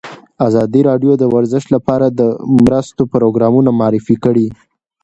ازادي راډیو د ورزش لپاره د مرستو پروګرامونه معرفي کړي.